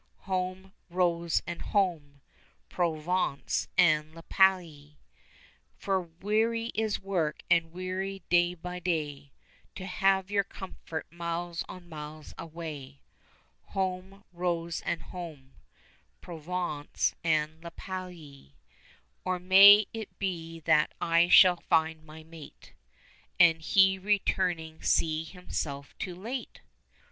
(Home, Rose, and home, Provence and La Palie.) For weary is work, and weary day by day To have your comfort miles on miles away. Home, Rose, and home, Provence and La Palie. 35 Or may it be that I shall find my mate, And he returning see himself too late?